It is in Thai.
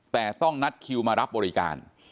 แต่ต้องนัดคิวมารับบริการ